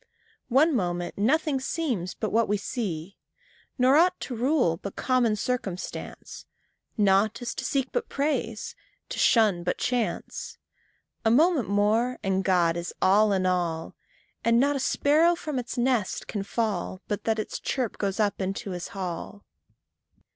One moment nothing seems but what we see, Nor aught to rule but common circumstance Nought is to seek but praise, to shun but chance; A moment more, and God is all in all, And not a sparrow from its nest can fall But from the ground its chirp goes up into his hall.